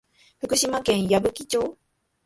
福島県矢吹町